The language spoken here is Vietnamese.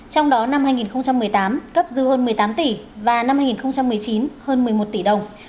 trong đó năm hai nghìn một mươi tám cấp dư hơn một mươi tám tỷ và năm hai nghìn một mươi chín hơn một mươi một tỷ đồng